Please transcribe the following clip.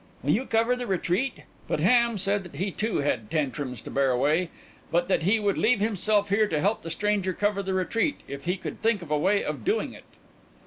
"Will you cover the retreat?" But Ham said that he too had Tantrums to bear away, but that he would leave himself here to help the stranger cover the retreat, if he could think of a way of doing it.